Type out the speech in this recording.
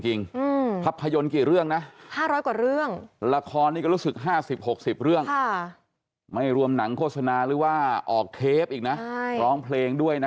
ภาพยนตร์กี่เรื่องนะ๕๐๐กว่าเรื่องละครนี่ก็รู้สึก๕๐๖๐เรื่องไม่รวมหนังโฆษณาหรือว่าออกเทปอีกนะร้องเพลงด้วยนะ